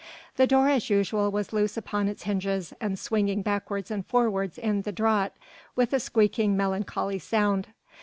The door as usual was loose upon its hinges and swinging backwards and forwards in the draught with a squeaking, melancholy sound.